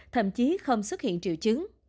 thậm chí không xuất hiện triệu chứng